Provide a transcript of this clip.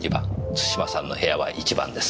津島さんの部屋は１番です。